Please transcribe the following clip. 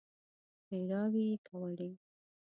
ښېراوې يې کولې.